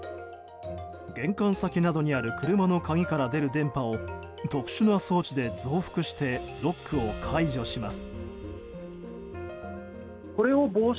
玄関先などにある車の鍵から出る電波を特殊な装置で増幅してロックを解除します。